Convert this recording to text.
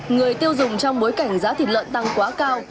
người tiêu dùng trong bối cảnh giá thịt lợn tăng quá cao